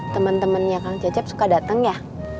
temen temennya kang cecep suka dateng ya